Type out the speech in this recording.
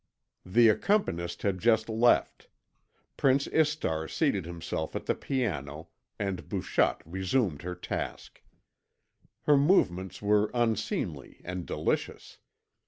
The accompanist had just left. Prince Istar seated himself at the piano, and Bouchotte resumed her task. Her movements were unseemly and delicious.